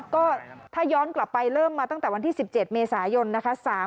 ก็ถ้าย้อนกลับไปเริ่มมาตั้งแต่วันที่๑๗เมษายนนะคะ